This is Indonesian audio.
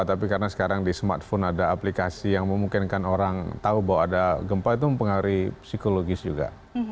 tapi karena sekarang di smartphone ada aplikasi yang memungkinkan orang tahu bahwa ada gempa itu mempengaruhi psikologis juga